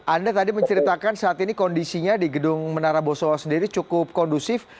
anda tadi menceritakan saat ini kondisinya di gedung menara boso sendiri cukup kondusif